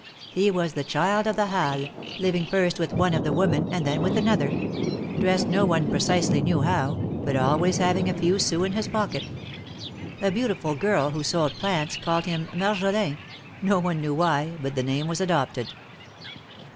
He was the child of the Halles, living first with one of the women, and then with another; dressed no one precisely knew how, but always having a few sous in his pocket. A beautiful girl who sold plants called him Marjolin, no one knew why, but the name was adopted.